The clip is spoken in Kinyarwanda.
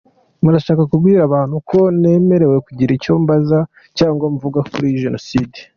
Murashaka kubwira abantu ko ntemerewe kugira icyo mbaza cyangwa mvuga kuri jenoside?